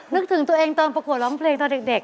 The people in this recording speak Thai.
นึกถึงตัวเองตอนประกวดร้องเพลงตอนเด็ก